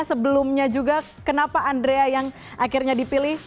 sebelumnya juga kenapa andrea yang akhirnya dipilih